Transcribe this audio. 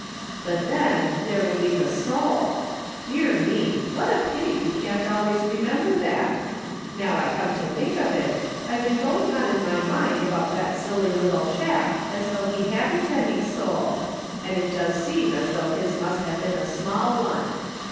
But then there would be the soul! Dear me ! What a pity we can't always remember that ! Now I come to think of it, I've been going on in my mind about that silly little chap as though he hadn't any soul ; and it does seem as though his must have been a small one.